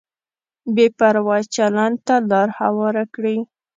بې پروا چلند ته لار هواره کړي.